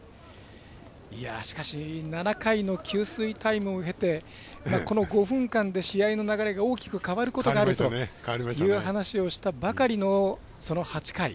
しかし、７回の給水タイムを経てこの５分間で試合の流れが大きく変わることがあるという話をしたばかりのその８回。